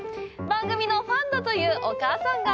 番組のファンだというお母さんが。